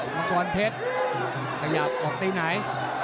มังกรเพชรขยับออกตีไหน